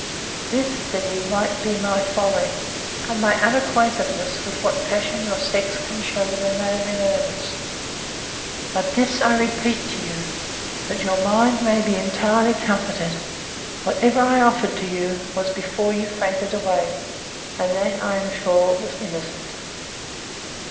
This, said he, might be my folly, and my unacquaintedness with what passion your sex can shew when they are in earnest. But this I repeat to you, that your mind may be entirely comforted—Whatever I offered to you, was before you fainted away, and that, I am sure, was innocent.